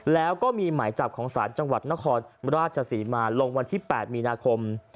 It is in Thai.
แล้วก็มีหมายจับของศาลจังหวัดนครราชศรีมาลงวันที่๘มีนาคม